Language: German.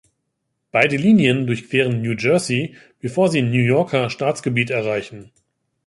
Beide Linien durchqueren New Jersey, bevor sie New Yorker Staatsgebiet erreichen.